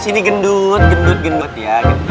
sini gendut gendut gendut ya